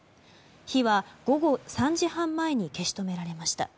火は午後３時半前に消し止められました。